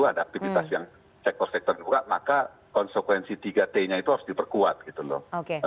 ada aktivitas yang sektor sektor yang berat maka konsekuensi tiga t nya itu harus diperkuat gitu loh